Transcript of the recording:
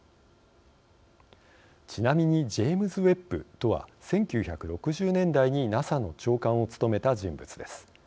ちなみにジェームズ・ウェッブとは１９６０年代にＮＡＳＡの長官を務めた人物です。